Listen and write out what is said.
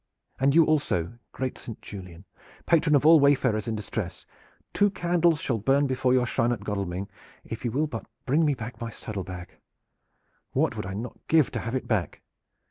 And you also, great Saint Julian, patron of all wayfarers in distress! Two candles shall burn before your shrine at Godalming, if you will but bring me back my saddle bag. What would I not give to have it back?"